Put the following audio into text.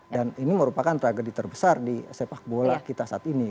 dan ini merupakan tragedi terbesar di sepak bola kita saat ini